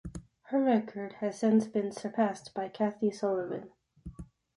Her record has since been surpassed by Kathy Sullivan.